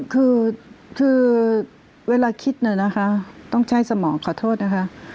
คือคือเวลาคิดน่ะนะคะต้องใช้สมองขอโทษนะคะ